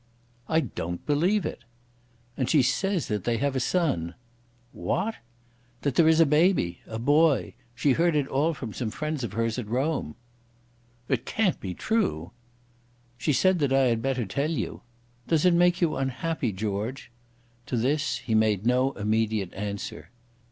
"I don't believe it." "And she says that they have a son." "What!" "That there is a baby, a boy. She has heard it all from some friend of hers at Rome." "It can't be true." "She said that I had better tell you. Does it make you unhappy, George?" To this he made no immediate answer.